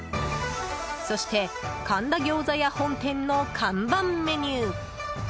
そして神田餃子屋本店の看板メニュー